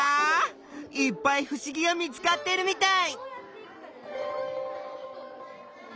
いっぱいふしぎが見つかってるみたい！